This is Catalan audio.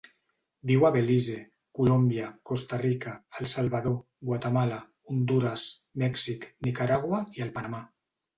Viu a Belize, Colòmbia, Costa Rica, El Salvador, Guatemala, Hondures, Mèxic, Nicaragua i el Panamà.